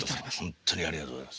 ほんとにありがとうございます。